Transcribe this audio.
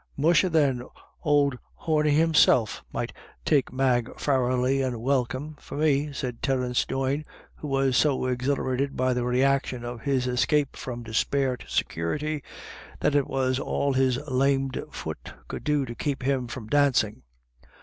" Musha then, ould Horny himself might take Mag Farrelly and welcome, for me," said Terence Doyne, who was so exhilarated by the reaction of THUNDER IN THE AIR. 199 his escape from despair to security, that it was all his lamed foot could do to keep him from dancing.